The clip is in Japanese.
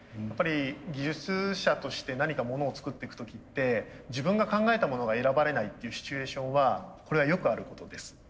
やっぱり技術者として何か物を作っていく時って自分が考えたものが選ばれないっていうシチュエーションはこれはよくあることです。